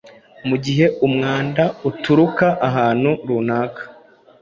Mugihe umwanda uturuka ahantu runaka,